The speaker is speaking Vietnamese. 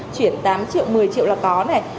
chuyển tám triệu một mươi triệu là có này